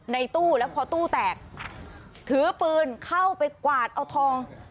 ในตู้แล้วพอตู้แตกถือปืนเข้าไปกวาดเอาทอง